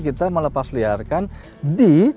kita melepasliarkan di